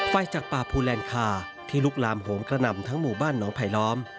ไฟจากป่าภูแลนคาที่ลุกลามโหมกระหน่ำทั้งหมู่บ้านน้องไผลล้อม